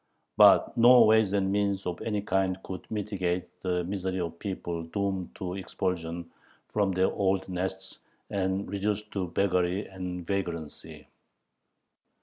But no "ways and means" of any kind could mitigate the misery of people doomed to expulsion from their old nests and reduced to beggary and vagrancy.